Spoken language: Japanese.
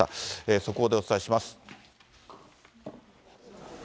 速報でお伝えします。